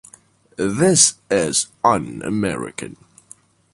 This is un-American.